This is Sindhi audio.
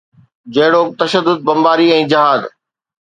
جهڙوڪ تشدد، بمباري ۽ جهاد.